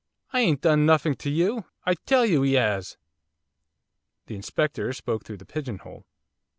I ain't done nuffink to you! I tell you 'e 'as!' The Inspector spoke through the pigeon hole.